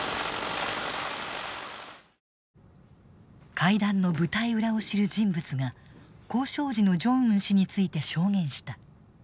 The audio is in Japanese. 会談の舞台裏を知る人物が交渉時のジョンウン氏について証言した。